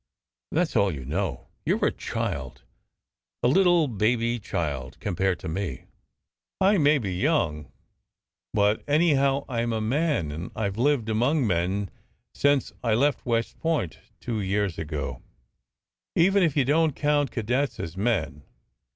That s all you know. You re a child, a little baby child, compared to me. I may SECRET HISTORY 143 be young, but anyhow, I m a man, and I ve lived among men since I left West Point two years ago even if you don t count cadets as men.